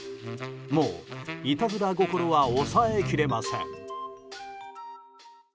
もう、いたずら心は抑え切れません。